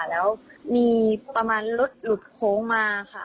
แล้วมีประมาณรถหลุดโค้งมาค่ะ